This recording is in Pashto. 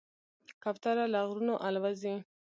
کوتره له غرونو الوزي.